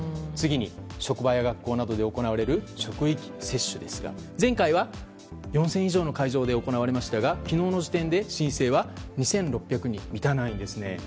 次に職場や学校などで行われる職域接種ですが前回は４０００以上の会場で行われましたが昨日の時点で申請は２６００に満たないんですね。